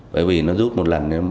bởi vì nó rút một lần